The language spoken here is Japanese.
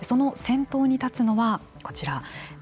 その先頭に立つのはこちら。